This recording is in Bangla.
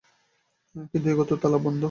কিন্তু ঐ ঘর তো তালাবন্ধ।